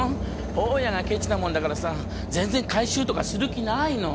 大家がケチなもんだからさ全然改修とかする気ないの。